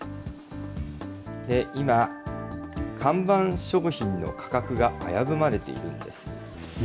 今、看板商品の価格が危ぶまれているんです。